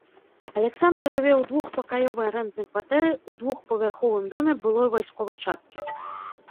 Аляксандра жыве ў двухпакаёвай арэнднай кватэры ў двухпавярховым доме былой вайсковай часткі.